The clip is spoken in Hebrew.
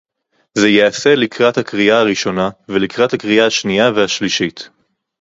זה ייעשה לקראת הקריאה הראשונה ולקראת הקריאה השנייה והשלישית